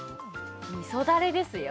味噌だれですよ